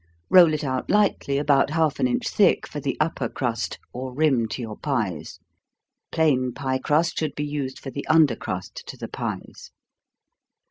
Roll it out lightly, about half an inch thick, for the upper crust, or rim to your pies plain pie crust should be used for the under crust to the pies.